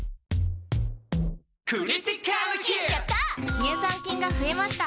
乳酸菌が増えました。